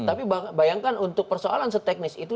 tapi bayangkan untuk persoalan seteknis itu